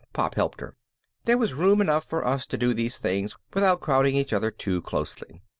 Pop helped her. There was room enough for us to do these things without crowding each other too closely.